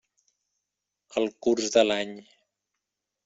El curs de l’any.